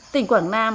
tỉnh quảng nam